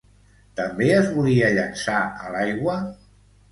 També es volia llençar a l'aigua?